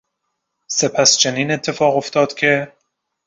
سپس چنین اتفاق افتاد که...